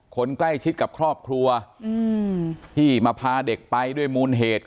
คนใกล้ชิดกับครอบครัวที่มาพาเด็กไปด้วยมูลเหตุ